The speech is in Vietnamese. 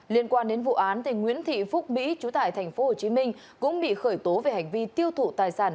liên quan đến vụ án nguyễn thị phúc mỹ chú tại tp hcm cũng bị khởi tố về hành vi tiêu thụ tài sản